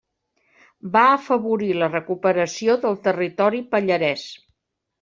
Va afavorir la recuperació del territori pallarès.